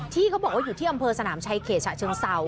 ที่เขาบอกอยู่ที่อำเภอสนามชายเขชะเชิงเศร้า